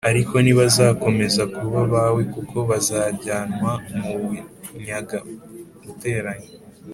ariko ntibazakomeza kuba abawe kuko bazajyanwa mu bunyage+